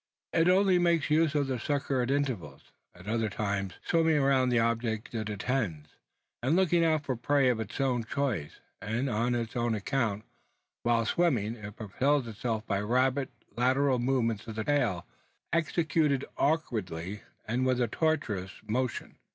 It only makes use of the sucker at intervals; at other times, swimming around the object it attends, and looking out for prey of its own choice, and on its own account. While swimming it propels itself by rapid lateral movements of the tail, executed awkwardly and with a tortuous motion.